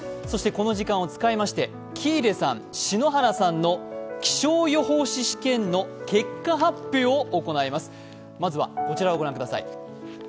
そしてこの時間を使いまして、喜入さん、篠原さんの気象予報士試験の結果発表を行います。